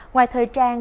ngoài thời trang